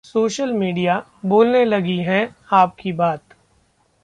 social media: बोलने लगी है आपकी बात